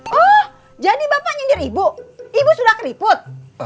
oh jadi bapak nyindir ibu ibu sudah keriput